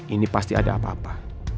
ini pasti ada apa apa